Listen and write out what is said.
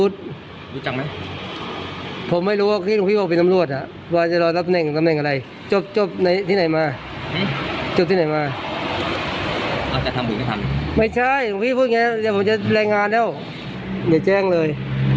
แล้วพ่อพี่พูดเองเว้ยแล้วผมจะแบรนด์งานเร็วเดี๋ยวแจ้งเลย